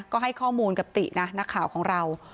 ก็ให้ข้อมูลกับตินะนักข่าวของเรา